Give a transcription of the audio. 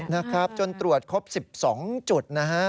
นะครับจนตรวจครบ๑๒จุดนะฮะ